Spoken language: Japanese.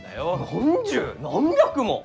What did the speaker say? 何十何百も！？